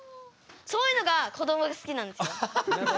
そういうのがこどもが好きなんですよ。